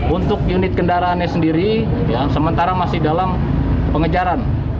untuk unit kendaraannya sendiri sementara masih dalam pengejaran